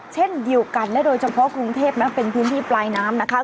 เช่นเดียวกันและโดยเฉพาะกรุงเทพนะเป็นพื้นที่ปลายน้ำนะคะ